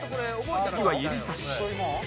次は指さし